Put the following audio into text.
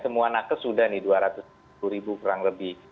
semua naket sudah nih dua ratus sepuluh kurang lebih